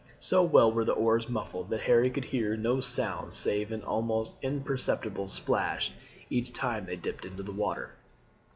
So well were the oars muffled that Harry could hear no sound save an almost imperceptible splash each time they dipped into the water.